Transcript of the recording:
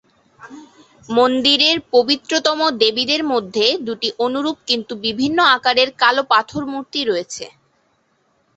মন্দিরের পবিত্রতম দেবীদের মধ্যে দুটি অনুরূপ কিন্তু বিভিন্ন আকারের কালো পাথর মূর্তি রয়েছে।